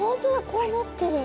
こうなってる。